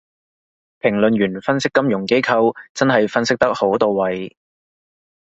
評論員分析金融機構真係分析得好到位